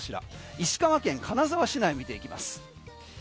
石川県金沢市内を見ていきます。